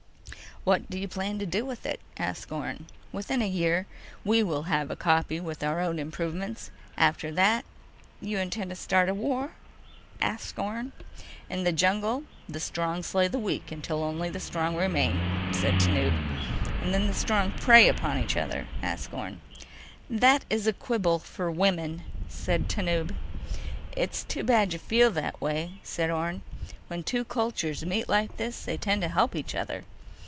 "What do you plan to do with it?" asked Orne. "Within a year we will have a copy with our own improvements. After that—" "You intend to start a war?" asked Orne. "In the jungle the strong slay the weak until only the strong remain," said Tanub. "And then the strong prey upon each other?" asked Orne. "That is a quibble for women," said Tanub. "It's too bad you feel that way," said Orne. "When two cultures meet like this they tend to help each other.